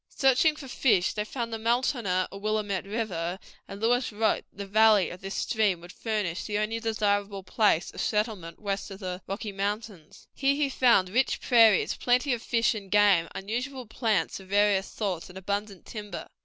Searching for fish, they found the Multonah or Willamette River, and Lewis wrote that the valley of this stream would furnish the only desirable place of settlement west of the Rocky Mountains. Here he found rich prairies, plenty of fish and game, unusual plants of various sorts, and abundant timber.